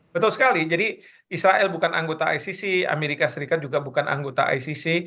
betul sekali jadi israel bukan anggota icc amerika serikat juga bukan anggota icc